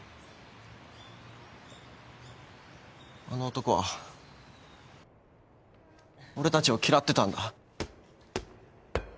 あの男は俺たちを嫌ってたんだ。